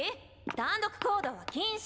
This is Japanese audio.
単独行動は禁止！